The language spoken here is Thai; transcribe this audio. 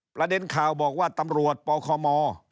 ประเด็นข่าวบอกว่าตำรวจปคม